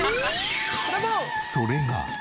それが。